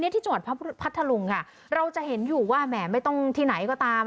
ที่จังหวัดพัทธลุงค่ะเราจะเห็นอยู่ว่าแหมไม่ต้องที่ไหนก็ตาม